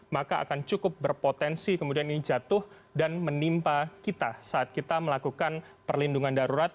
maka akan cukup berpotensi kemudian ini jatuh dan menimpa kita saat kita melakukan perlindungan darurat